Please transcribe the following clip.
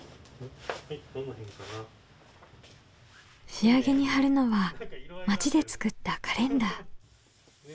仕上げに貼るのは町で作ったカレンダー。